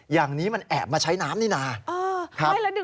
อย่างนี้มันแอบมาใช้น้ำนี่นา